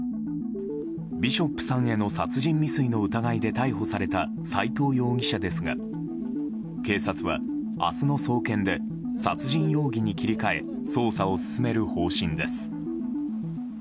ビショップさんへの殺人未遂の疑いで逮捕された斎藤容疑者ですが警察は、明日の送検で殺人容疑に切り替え捜査を進める方針です。